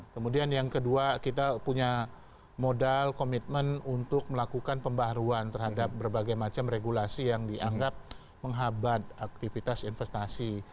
kemudian yang kedua kita punya modal komitmen untuk melakukan pembaruan terhadap berbagai macam regulasi yang dianggap menghabat aktivitas investasi